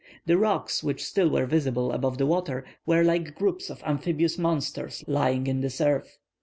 The rocks which still were visible above the water were like groups of amphibious monsters lying in the surf.